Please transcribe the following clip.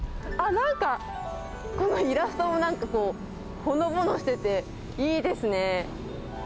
なんか、このイラストもなんか、ほのぼのしてていいですね。